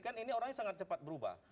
kan ini orangnya sangat cepat berubah